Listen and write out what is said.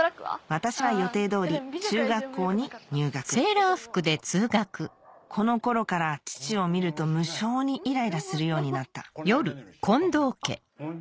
私は予定通り中学校に入学この頃から父を見ると無性にイライラするようになったこの間のよりしょっぱくないおいしい。